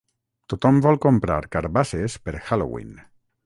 Tothom vol comprar carbasses per Halloween.